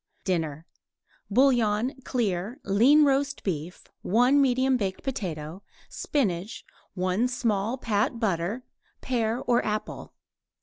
DINNER Bouillon, clear; lean roast beef; 1 medium baked potato; spinach; 1 small pat butter; pear or apple.